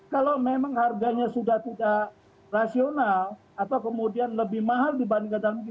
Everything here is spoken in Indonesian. kalau memang harganya sudah tidak rasional atau kemudian lebih mahal dibandingkan dalam negeri